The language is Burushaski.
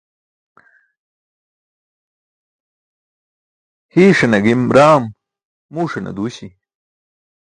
Hiiṣaṅe gim raam muuṣane duuśi.